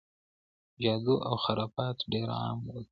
جادو او خرافات ډېر عام ول.